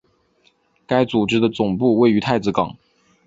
该组织的总部位于太子港。